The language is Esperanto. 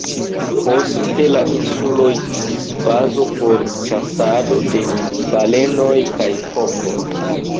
Poste la insuloj iĝis bazo por ĉasado de balenoj kaj fokoj.